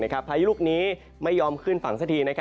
พายุลูกนี้ไม่ยอมขึ้นฝั่งสักที